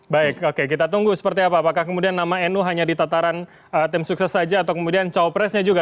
baik oke kita tunggu seperti apa apakah kemudian nama nu hanya di tataran tim sukses saja atau kemudian cawapresnya juga